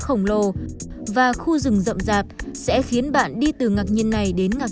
khổng lồ và khu rừng rậm rạp sẽ khiến bạn đi từ ngạc nhiên này